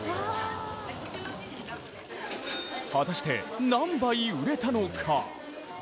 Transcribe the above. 果たして何杯売れたのか？